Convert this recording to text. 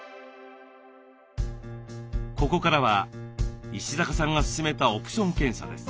ここからは石坂さんが勧めたオプション検査です。